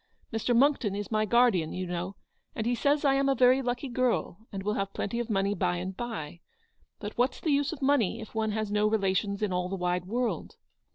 Mr. Monckton is my guardian, you know, and he says I am a very lucky girl, and will have plenty of money by and by ; but what's the use of money if one has no relations in all the wide world